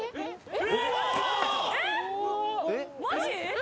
え！